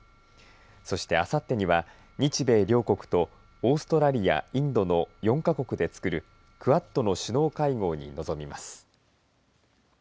そしてあさってには日米両国とオーストラリア、インドの４か国で作るクアッドの首脳会合に臨みます。